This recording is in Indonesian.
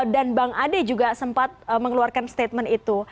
dan bang ade juga sempat mengeluarkan statement itu